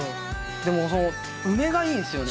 でもその梅がいいんすよね